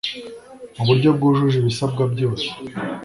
mu buryo bwujuje ibisabwa byose